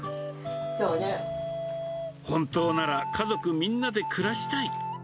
本当なら家族みんなで暮らしたい。